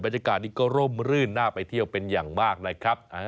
บรรยากาศนี้ก็ร่มรื่นน่าไปเที่ยวเป็นอย่างมากนะครับ